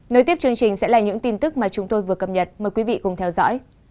nối tiếp chương trình sẽ là những tin tức mà chúng tôi vừa cập nhật mời quý vị cùng theo dõi